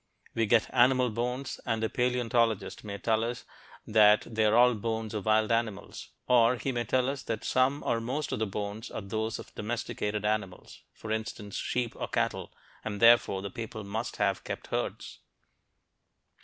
We get animal bones, and a paleontologist may tell us they are all bones of wild animals; or he may tell us that some or most of the bones are those of domesticated animals, for instance, sheep or cattle, and therefore the people must have kept herds.